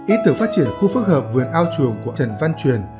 ý tưởng phát triển khu phức hợp vườn ao chuồng của trần văn truyền